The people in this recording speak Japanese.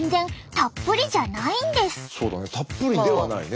たっぷりではないね